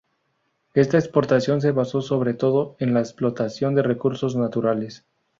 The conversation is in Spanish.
Esta exportación se basó sobre todo en la explotación de recursos naturales.